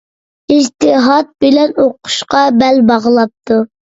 ئىجتىھات بىلەن ئوقۇشقا بەل باغلاپتۇ.